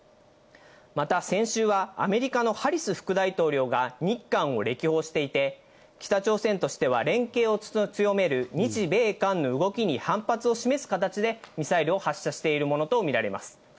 また先週はアメリカのハリス副大統領が日韓を歴訪していて、北朝鮮としては連携を強める日米韓の動きに反発を示す形でミサイルを発射しているものとみられます。